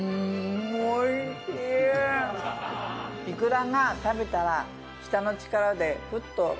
いくらが食べたら舌の力でふっと。